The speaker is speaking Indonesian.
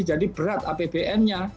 jadi berat apbn nya